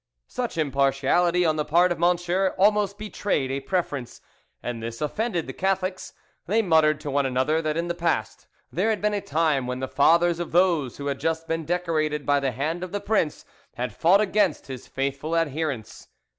Such impartiality on the part of Monsieur almost betrayed a preference, and this offended the Catholics. They muttered to one another that in the past there had been a time when the fathers of those who had just been decorated by the hand of the prince had fought against his faithful adherents.